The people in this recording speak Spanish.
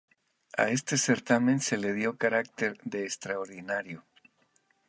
A este certamen se le dio carácter de extraordinario.